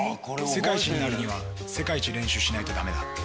「世界一になるには世界一練習しないとダメだ」